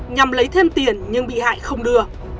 nhằm lấy thêm tiền nhưng bị hại không đưa